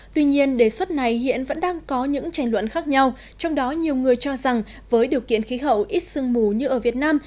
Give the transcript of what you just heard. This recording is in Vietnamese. tuy nhiên đề xuất này hiện vẫn đang có những tranh luận khác nhau trong đó nhiều người cho rằng với điều kiện khí hậu ít sưng mù như ở việt nam